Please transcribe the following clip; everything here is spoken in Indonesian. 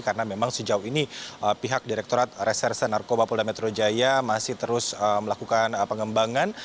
karena memang sejauh ini pihak direkturat reserse narkoba polda metro jaya masih terus melakukan pengembangan